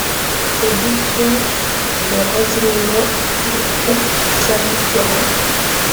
Ces deux sciences et leur enseignement l'occuperont toute sa vie durant.